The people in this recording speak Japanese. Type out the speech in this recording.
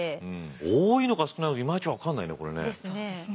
多いのか少ないのかいまいち分かんないね